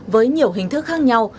với nhiều hình thức khác nhau